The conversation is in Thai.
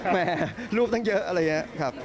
แม่ลูกตั้งเยอะอะไรอย่างนี้ครับ